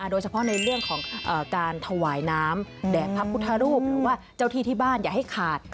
โดยเฉพาะในเรื่องของการถวายน้ำแด่พระพุทธรูปหรือว่าเจ้าที่ที่บ้านอย่าให้ขาด